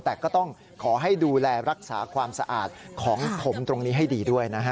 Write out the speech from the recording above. แต่ก็ต้องขอให้ดูแลรักษาความสะอาดของผมตรงนี้ให้ดีด้วยนะฮะ